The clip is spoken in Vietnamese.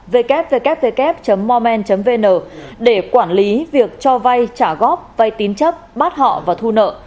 www mormen vn để quản lý việc cho vai trả góp vai tín chấp bắt họ và thu nợ